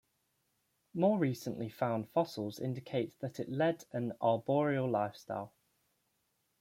More recently found fossils indicate that it led an arboreal lifestyle.